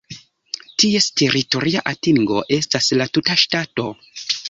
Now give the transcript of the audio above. Ties teritoria atingo estas la tuta ŝtato.